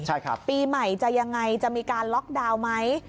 ใช่ครับปีใหม่จะยังไงจะมีการล็อกดาวน์ไหม